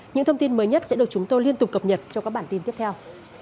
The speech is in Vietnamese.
những thông tin mới nhất sẽ được chúng tôi liên tục cập nhật trong các bản tin tiếp theo